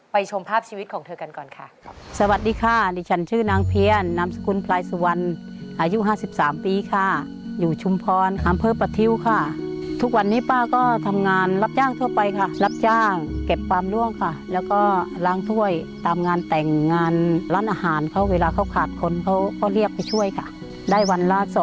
ไปชมภาพชีวิตของเธอกันก่อนค่ะ